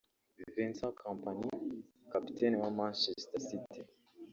Vincent Kompany kapiteni wa Manchester City